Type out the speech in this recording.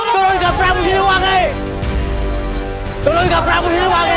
turun ke prabu siliwangi